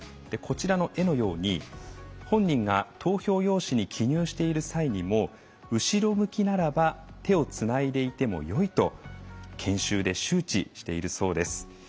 絵のように本人が投票用紙を記入している際にも「後ろ向きならば手をつないでいてもよい」と研修で周知しているそうです。